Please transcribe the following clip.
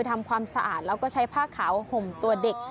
ทำความสะอาดแล้วก็ใช้ผ้าขาวห่มตัวเด็ก